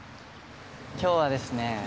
今日はですね